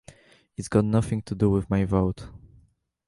It's got nothing to do with my vote.